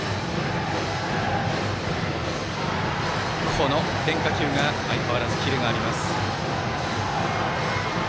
この変化球が相変わらずキレがあります。